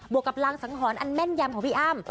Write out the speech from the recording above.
วกกับรางสังหรณ์อันแม่นยำของพี่อ้ำ